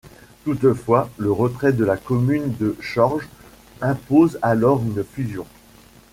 Toutefois, le retrait de la commune de Chorges impose alors une fusion.